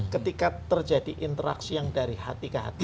ketika terjadi interaksi yang dari hati ke hati